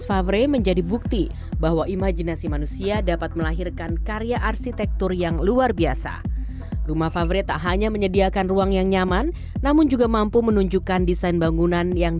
saya berpikir saya berpikir